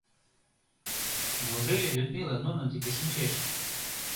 Неужели Людмила нунын деке шинчеш?